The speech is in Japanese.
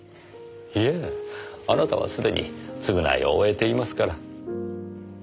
いえあなたは既に償いを終えていますから。